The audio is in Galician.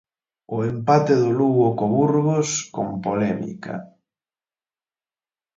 E empate do Lugo co Burgos con polémica.